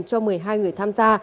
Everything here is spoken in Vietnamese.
cho một mươi hai người tham gia